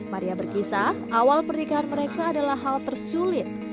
maria berkisah awal pernikahan mereka adalah hal tersulit